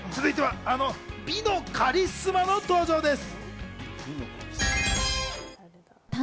続いてはあの美のカリスマの登場です。